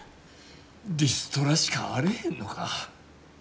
リストラしかあれへんのか。